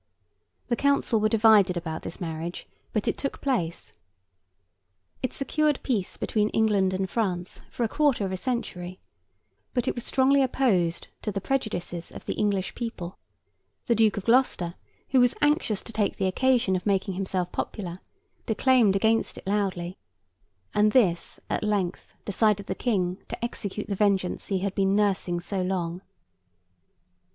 The council were divided about this marriage, but it took place. It secured peace between England and France for a quarter of a century; but it was strongly opposed to the prejudices of the English people. The Duke of Gloucester, who was anxious to take the occasion of making himself popular, declaimed against it loudly, and this at length decided the King to execute the vengeance he had been nursing so long.